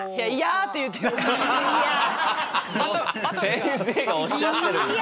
先生がおっしゃってるんですから。